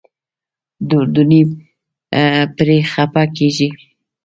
هر اردني پرې خپه کېږي.